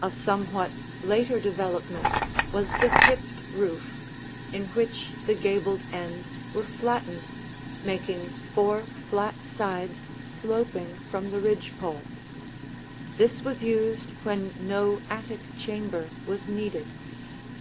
A somewhat later development was the hipped roof, in which the gabled ends were flattened, making four flat sides sloping from the ridge pole. This was used when no attic chamber was needed.